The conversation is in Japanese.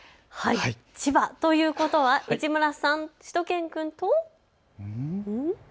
千葉ということは市村さん、しゅと犬くんと？